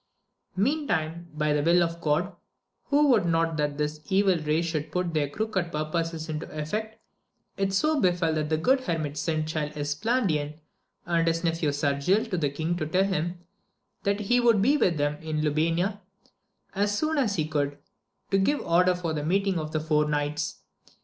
Meantime, by the will of God who would not that this evil race should put their crooked purposes into effect, it so befell that the good hermit sent cjiild Es plandian and his nephew Sargil to the king to tell him that he would be with him in Lubayna, as soon as he could, to give order for the meeting of the four knights.